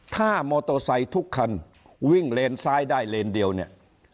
ถ้ามอเตอร์ไซค์ทุกคันวิ่งเลนซ้ายได้เลนเดียวเนี่ย